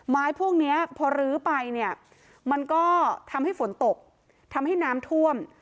พวกนี้พอรื้อไปเนี่ยมันก็ทำให้ฝนตกทำให้น้ำท่วม